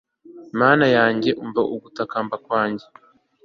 mana yanjye, umva ugutakamba kwanjye